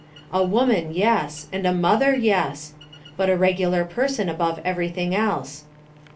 A woman, yes, and a mother, yes! But a regular person above everything else.